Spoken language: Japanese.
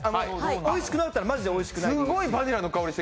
おいしくなかったら、マジでおいしくないって。